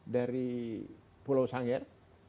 dari pulau sangir